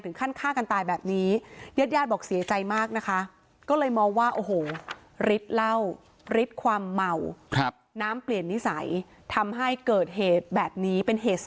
ถึงค่านฆ่ากันตายแบบนี้